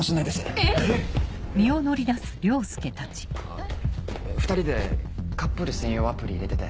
⁉あっ２人でカップル専用アプリ入れてて。